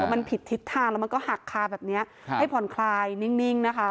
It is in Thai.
มันผิดทิศทางแล้วมันก็หักคาแบบนี้ให้ผ่อนคลายนิ่งนะคะ